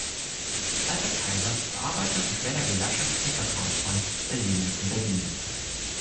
Albert Kayser war Arbeiter und später gewerkschaftlicher Vertrauensmann bei Siemens in Berlin.